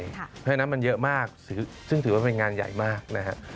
เพราะฉะนั้นมันเยอะมากซึ่งถือว่าเป็นงานใหญ่มากนะฮะ